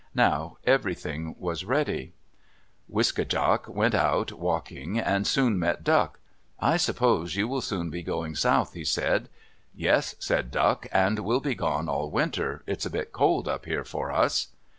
Now everything was ready. Wiske djak went out walking and soon met Duck. "I suppose you will soon be going south," he said. "Yes," said Duck, "and we'll be gone all winter. It's a bit cold up here for us."